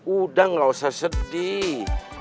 udah gak usah sedih